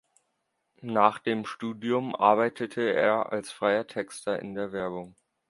Nach dem Studium arbeitete er als freier Texter in der Werbung.